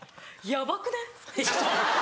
ヤバくね？